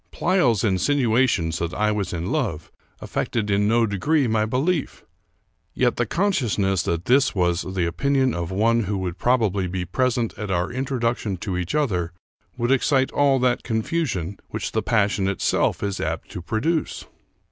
Pleyel's insinuations that I was in love affected in no degree my belief; yet the consciousness that this was the opinion of one who would probably be present at our introduction to each other would excite all that confusion which the passion itself is apt to produce.